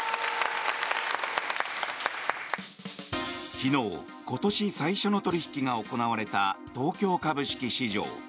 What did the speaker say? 昨日今年最初の取引が行われた東京株式市場。